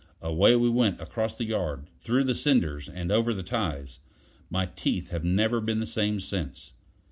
Away we went across the yard, through the cinders, and over the ties; my teeth have never been the same since.